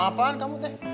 sama apaan kamu teh